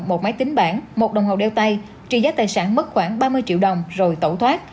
một máy tính bản một đồng hồn đeo tay trị giá tài sản mất khoảng ba mươi triệu đồng rồi tẩu thoát